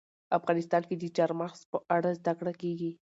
افغانستان کې د چار مغز په اړه زده کړه کېږي.